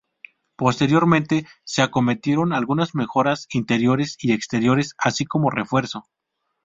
Posteriormente se acometieron algunas mejoras interiores y exteriores, así como de refuerzo.